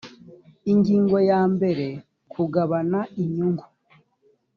ingingo yambere kugabana inyungu